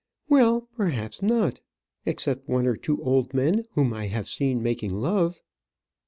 "Well, perhaps not; except one or two old men whom I have seen making love."